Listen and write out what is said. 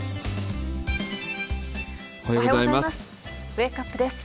おはようございます。